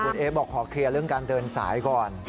คุณเอ๊บอกขอเคลียร์เรื่องการเดินสายก่อน